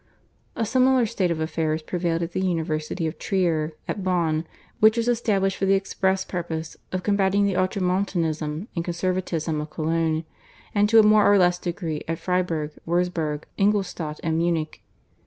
A similar state of affairs prevailed at the University of Trier, at Bonn which was established for the express purpose of combatting the ultramontanism and conservatism of Cologne, and to a more or less degree at Freiburg, Wurzburg, Ingolstadt, and Munich.